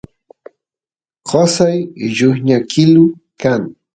qosay lluqñakilu kan